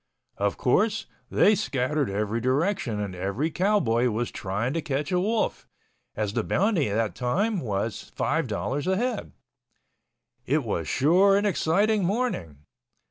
Of course, they scattered every direction and every cowboy was trying to catch a wolf, as the bounty that time was $5.00 a head. It was sure an exciting morning.